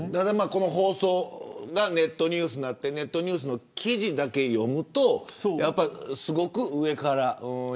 この放送がネットニュースになってネットの記事だけ読むと上から